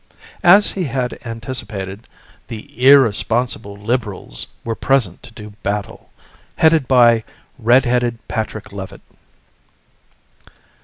As he had anticipated, the irresponsible liberals were present to do battle, headed by red haired Patrick Levitt.